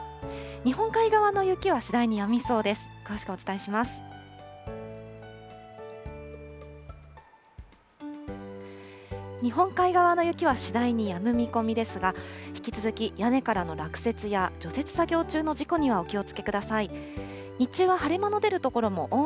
日本海側の雪は次第にやむ見込みですが、引き続き屋根からの落雪や、除雪作業中の事故にはお気をつけください。